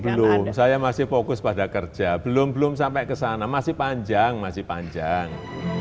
belum saya masih fokus pada kerja belum belum sampai ke sana masih panjang masih panjang